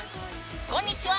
こんにちは！